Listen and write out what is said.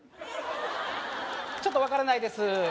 ちょっと分からないです